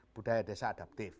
budaya desa adaptif